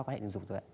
quan hệ tình dục rồi ạ